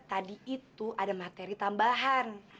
tadi itu ada materi tambahan